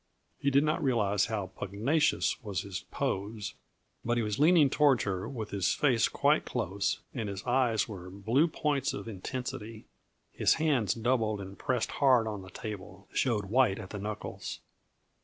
He did not realize how pugnacious was his pose, but he was leaning toward her with his face quite close, and his eyes were blue points of intensity. His hands, doubled and pressing hard on the table, showed white at the knuckles.